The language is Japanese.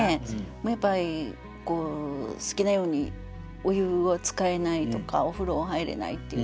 やっぱり好きなようにお湯を使えないとかお風呂入れないっていう